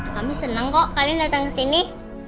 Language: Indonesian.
kami seneng kok kalian datang kesini